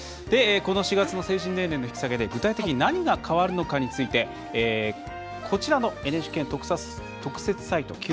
この４月の成人年齢の引き下げで具体的に何が変わるのかについてこちらのＮＨＫの特設サイト